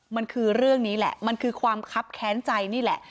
มันคือเรื่องนี้แหละมันคือความคับแค้นใจนี่แหละ